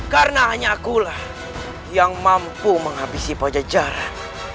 karena hanya akulah yang mampu menghabisi pajajaran